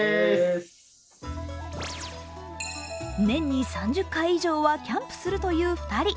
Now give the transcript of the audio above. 年に３０回以上はキャンプするという２人。